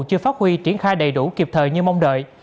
chưa phát huy triển khai đầy đủ kịp thời như mong đợi